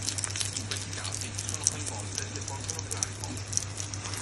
In questi casi sono coinvolte le forze nucleari forti.